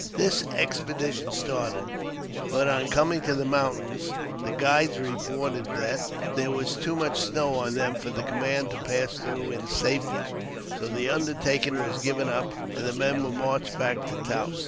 This expedition started; but, on coming to the mountains, the guides reported that there was too much snow on them for the command to pass through in safety; so the undertaking was given up, and the men were marched back to Taos.